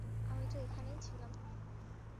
আমি তো এখানেই ছিলাম।